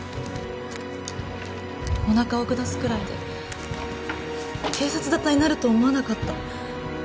お腹を下すくらいで警察沙汰になると思わなかった。